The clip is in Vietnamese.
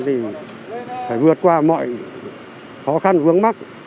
thì phải vượt qua mọi khó khăn vướng mắt